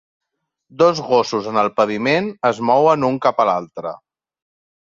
Dos gossos en el paviment es mouen un cap a l'altre.